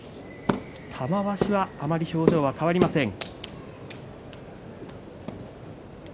玉鷲はあまり表情は変わりません。